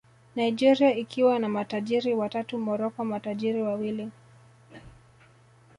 Nigeria ikiwa na matajiri watatu Morocco matajiri wawili